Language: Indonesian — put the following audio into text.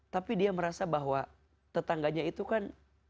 tapi dia merasa bahwa tetangganya itu kan